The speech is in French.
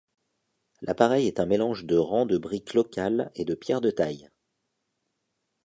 L'appareil est un mélange de rangs de briques locales et de pierres de tailles.